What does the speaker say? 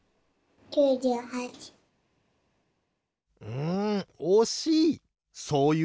うんおしい！